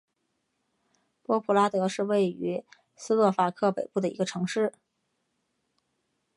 波普拉德是位于斯洛伐克北部的一个城市。